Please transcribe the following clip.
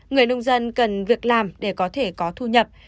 người nông dân cần việc làm để có thể có thu nhập